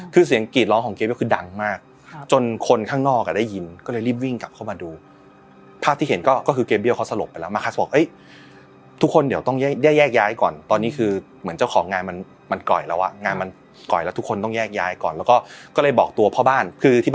คือเสียงกรีดร้องของเกมก็คือดังมากจนคนข้างนอกอ่ะได้ยินก็เลยรีบวิ่งกลับเข้ามาดูภาพที่เห็นก็คือเกมเบี้ยเขาสลบไปแล้วมาคัสบอกทุกคนเดี๋ยวต้องแยกแยกย้ายก่อนตอนนี้คือเหมือนเจ้าของงานมันมันก่อยแล้วอ่ะงานมันก่อยแล้วทุกคนต้องแยกย้ายก่อนแล้วก็ก็เลยบอกตัวพ่อบ้านคือที่